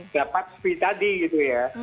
dapat spee tadi gitu ya